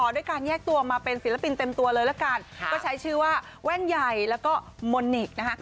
ด้วยการแยกตัวมาเป็นศิลปินเต็มตัวเลยละกันก็ใช้ชื่อว่าแว่นใหญ่แล้วก็มนนิกนะคะ